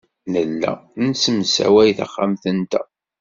Nella nessemsaway taxxamt-nteɣ.